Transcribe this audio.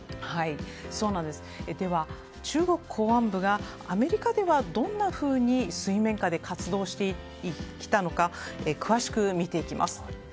中国公安部がアメリカではどんなふうに水面下で活動してきたのか詳しく見ていきます。